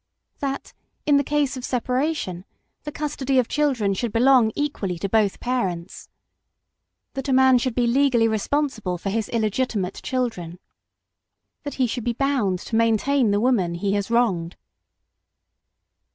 That, in the case of separation, the custody of children should belong equally to both parents. That a man should be legally responsible for his illegitimate children. That he should be bound to maintain the woman he has wronged.